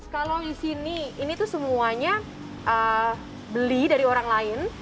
kalau di sini ini tuh semuanya beli dari orang lain